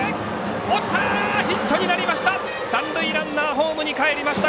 ヒットになりました！